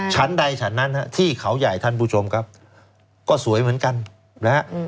ชั้นใดชั้นนั้นฮะที่เขาใหญ่ท่านผู้ชมครับก็สวยเหมือนกันนะฮะ